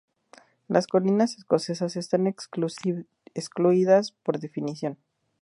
Las colinas escocesas están excluidas, por definición.